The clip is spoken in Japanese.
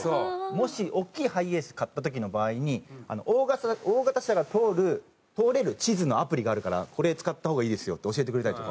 もし大きいハイエース買った時の場合に「大型車が通る通れる地図のアプリがあるからこれ使った方がいいですよ」って教えてくれたりとか。